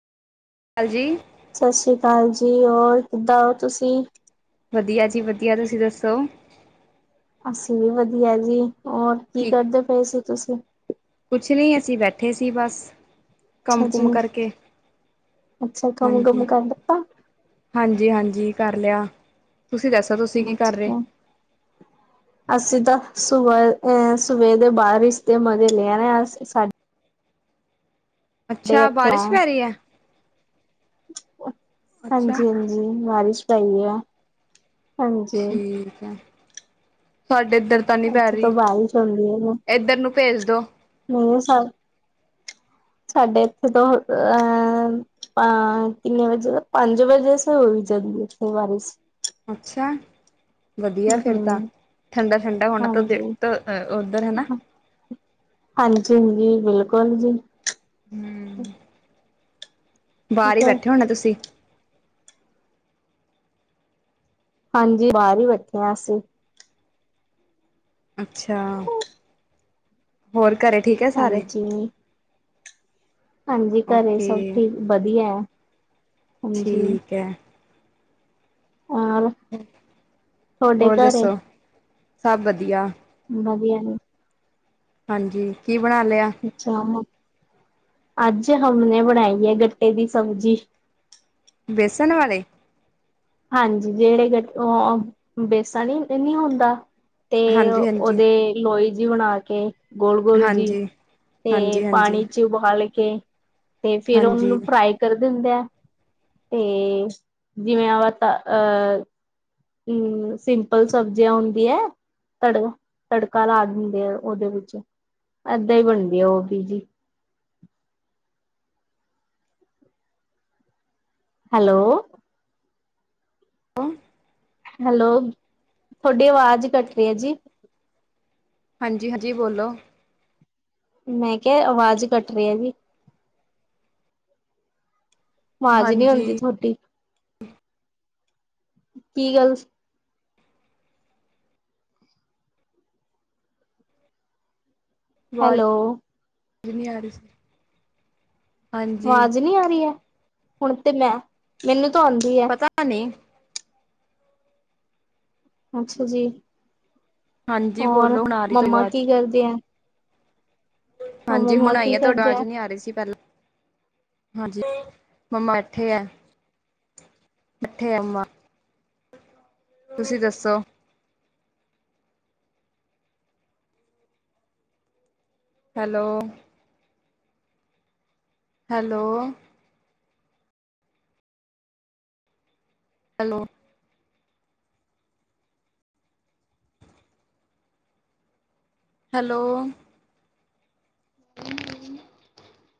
ਕਾਲ ਜੀ ਸਤਿ ਸ਼੍ਰੀ ਅਕਾਲ ਜੀ, ਹੋਰ ਕਿੱਦਾਂ ਹੋ ਤੁਸੀਂ ਵਧੀਆ ਜੀ ਵਧੀਆ ਤੁਸੀਂ ਦੱਸੋ ਅਸੀਂ ਵੀ ਵਧੀਆ ਜੀ, ਹੋਰ ਕੀ ਕਰਦੇ ਪਏ ਸੀ ਤੁਸੀਂ ਕੁਛ ਨੀ ਅਸੀਂ ਬੈਠੇ ਸੀ ਬਸ ਅੱਛਾ ਜੀ ਕੰਮ-ਕੁਮ ਕਰਕੇ, ਅੱਛਾ ਕੰਮ ਕੁਮ ਹਾਂਜੀ। ਕਰ ਲਿਤਾ ਹਾਂਜੀ-ਹਾਂਜੀ ਕਰ ਲੇਆ ਤੁਸੀਂ ਦੱਸ [unintelligible] [inaudible] ਅਸੀਂ ਤਾਂ ਸੁਬਆ ਏ ਸੁਬਾ ਦੇ ਬਾਰ ਰੀਸ਼ਤੇ ਮਜ਼ੇ ਲੈ ਆ ਰ ਅ ਸਾਡੇ ਸਾਡੇ ਅੱਛਾ ਇੱਥੇ ਬਾਰੀਸ਼ ਪੈ ਰਈ ਆ? ਹਾਂਜੀ ਜੀ ਬਾਰੀਸ਼ ਪਈ ਆ। ਹਾਂਜੀ। ਠੀਕ ਆ, ਸਾਡੇ ਏਦਰ ਤਾ ਨੀ ਪੈ ਇੱਥੇ ਰਈ ਤੋਂ ਬਾਰਿਸ਼ ਏਦਰ ਨੂੰ ਭੇਜ ਦੋ। ਨਈ ਸਾ, ਸਾਡੇ ਏਥੇ ਤੋਂ ਐ ਐਂ ਕੀਨੇ ਵਜੇ ਦਾ ਪੰਜ ਵਜੇ ਸੀ ਹੋਈ ਜਦੋ ਵੀ ਬਾਰਸ਼। ਅੱਛਾ ਵਦੀਆ ਹਮ ਫੇਰ ਤਾਂ ਹਮ ਠੰਡਾ-ਠੰਡਾ ਹੋਣਾ ਹਾਂਜੀ [unintelligible] ਓਧਰ ਹਨਾ। ਹਾਂਜੀ ਜੀ ਬੇਲਕੁਲ ਜੀ। ਹੂੰ। ਬਾਰ ਈ ਠੀਕ ਹੈ ਬੈਠੇ ਹੋਣੇ ਤੁਸੀਂ? ਹਾਂਜੀ ਬਾਰ ਈ ਬੈਠੇ ਆਂ ਅਸੀਂ। ਅੱਛਾ ਹੋਰ ਘਰੇ ਠੀਕ ਐ ਸਾਰੇ? ਹਾਂਜੀ ਹਾਂਜੀ ਘਰੇ ਓਕੇ, ਸਭ ਠੀਕ ਵਧੀਆ ਹੈ ਹਾਂਜੀ ਠੀਕ ਐ। ਔਲ ਹੋਰ ਦੱਸੋ, ਸਭ ਵਦੀਆ। ਵਧੀਆ ਨੇ। ਹਾਂਜੀ ਕੀ ਬਣਾ ਲੇਆ? ਅੱਛਾ, ਅੱਜ ਹਮਨੇ ਬਣਾਈ ਐ ਗੱਟੇ ਦੀ ਸਬਜ਼ੀ। ਬੇਸਣ ਵਾਲੇ? ਹਾਂਜੀ ਜੇੜੇ ਕੇ ਓਆ ਬੇਸਣ ਈ ਨੀ ਹੁੰਦਾ ਤੇ ਹਾਂਜੀ ਹਾਂਜੀ ਓਦੇ ਲੋਈ ਜੀ ਬਣਾ ਕੇ ਗੋਲ-ਗੋਲ ਜੀ, ਹਾਂਜੀ ਤੇ ਹਾਂਜੀ ਹਾਂਜੀ ਪਾਣੀ ਚ ਤੇ ਉਬਹਾਲ ਕੇ, ਤੇ ਫੇਰ ਹਾਂਜੀ ਓਨੂੰ ਫਰਾਈ ਕਰ ਦੀਦਾਆ, ਤੇ ਜੀਵੇਂ ਆ ਵਾ ਤਾ ਆ ਕੀ ਸੀਂਪਲ ਸਬਜ਼ੀਆਂ ਹੁੰਦੀਐ ਤੜੋ ਤੜਕਾ ਲਾ ਦੀਂਦੇ ਆ ਓਦੇ ਵੀਚ ਐਦਾਂ ਈ ਬਣਦੀ ਆ ਓ ਬੀਜੀ। ਹੈਲੋ। ਹੈਲੋ, ਧੋਡੀ ਆਵਾਜ਼ ਕੱਟ ਰੀ ਆ ਜੀ। ਹਾਂਜੀ-ਹਾਂਜੀ ਬੋਲੋ। ਮੈਂ ਕੇਆ ਆਵਾਜ਼ ਕੱਟ ਰੀ ਆ ਜੀ। ਵਾਜ਼ ਨੀ ਹਾਂਜੀ ਔਦੀ ਤੁਹੋਡੀ ਕੀ ਗੱਲ ਹੈਲੋ। ਜੀਨੀ ਆ ਰਈ ਸੀ। ਹਾਂਜੀ ਵਾਜ਼ ਨੀ ਆ ਰਈ ਐ ਹੁਣ ਤੇ ਮੈਂ, ਮੇਨੂੰ ਤਾਂ ਔਦੀ ਏ। ਤਾਂ ਨੀ ਅੱਛਾ ਜੀ, ਹਾਂਜੀ ਹੋਰ ਬੋਲੋ ਹੁਣ ਆ ਰਹੀ ਤੁਹਾਡੀ ਮੰਮਾ ਆਵਾਜ਼ ਕੀ ਕਰਦੇ ਐਂ? ਹਾਂਜੀ ਹੁਣ ਆਈ ਕੀ ਆ ਤੋਆਡਾ ਕਰਦੇ ਵਾਜ਼ ਨੀ ਆ ਰਈ ਸੀ ਪੈਲ ਹਾਂਜੀ, ਮੰਮਾ ਏਠੈ ਆ ਏਠੈ ਆ ਮੰਮਾ। ਤੁਸੀਂ ਦੱਸੋ ਹੈਲੋ। ਹੈਲੋ। ਹੈਲੋ। ਹੈਲੋ। [unintelligible]